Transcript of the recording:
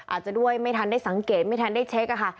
อาจจะด้วยไม่ทันได้สังเกตไม่ทันได้เช็คค่ะ